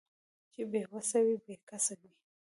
چې بې وسه وي بې کسه وي